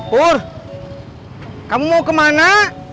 pur kamu mau kemana